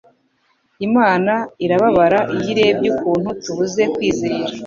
Imana irababara iyo irebye ukuntu tubuze kwizera